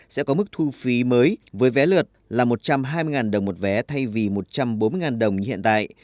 sẽ có mức thu phí mới với vé lượt là một trăm hai mươi đồng một vé thay vì một trăm bốn mươi đồng như hiện tại